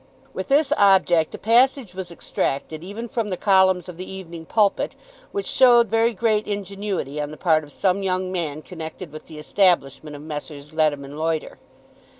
With this object a passage was extracted even from the columns of the "Evening Pulpit," which showed very great ingenuity on the part of some young man connected with the establishment of Messrs. Leadham and Loiter.